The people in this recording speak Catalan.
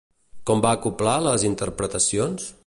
Com va acoblar les interpretacions?